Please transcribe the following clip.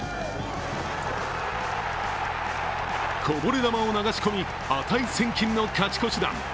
こぼれ球を流し込み、値千金の勝ち越し弾。